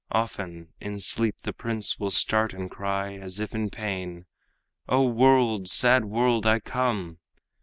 Often in sleep the prince will start and cry As if in pain, 'O world, sad world, I come!'